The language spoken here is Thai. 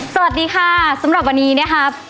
สวัสดีค่ะสำหรับวันนี้นะครับ